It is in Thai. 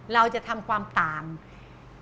เราจะทำความต่าง